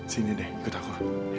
sini deh ikut aku